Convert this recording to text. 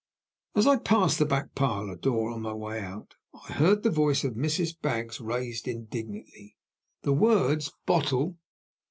As I passed the back parlor door on my way out, I heard the voice of Mrs. Baggs raised indignantly. The words "bottle!"